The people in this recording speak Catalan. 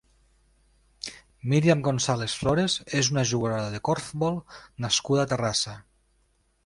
Míriam González Flores és una jugadora de corfbol nascuda a Terrassa.